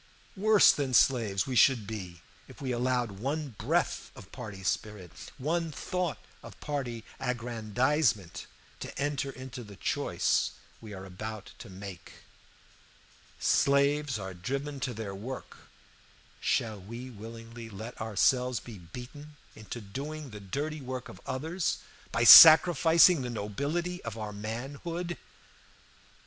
Worse than slaves we should be if we allowed one breath of party spirit, one thought of party aggrandizement, to enter into the choice we are about to make. Slaves are driven to their work; shall we willingly let ourselves be beaten into doing the dirty work of others by sacrificing the nobility of our manhood?